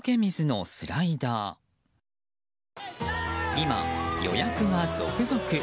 今、予約が続々。